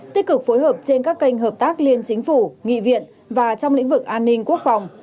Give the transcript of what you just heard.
tích cực phối hợp trên các kênh hợp tác liên chính phủ nghị viện và trong lĩnh vực an ninh quốc phòng